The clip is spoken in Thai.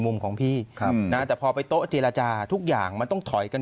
ของพี่ครับนะแต่พอไปโต๊ะเจรจาทุกอย่างมันต้องถอยกัน